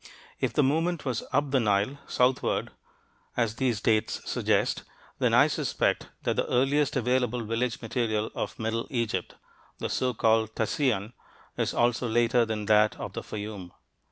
If the movement was up the Nile (southward), as these dates suggest, then I suspect that the earliest available village material of middle Egypt, the so called Tasian, is also later than that of the Fayum.